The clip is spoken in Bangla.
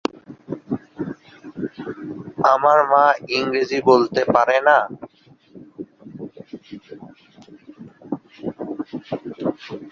আমার মা ইংরাজি বলতে পারে না।